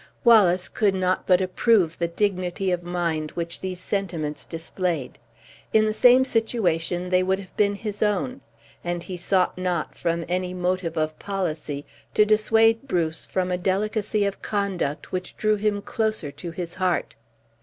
Wallace could not but approve the dignity of mind which these sentiments displayed. In the same situation they would have been his own; and he sought not, from any motive of policy, to dissuade Bruce from a delicacy of conduct which drew him closer to his heart.